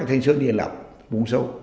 thành sơn yên lập vùng sâu